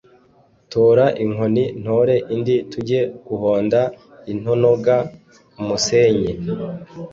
Tora inkoni ntore indi tujye guhonda intanoga-Umusenyi.